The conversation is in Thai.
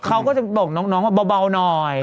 เขาก็จะบอกน้องว่าเบาหน่อย